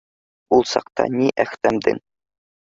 Ул саҡта ни Әхтәмдең